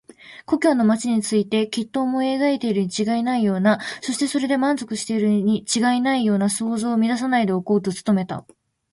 故郷の町についてきっと思い描いているにちがいないような、そしてそれで満足しているにちがいないような想像を乱さないでおこうと努めた。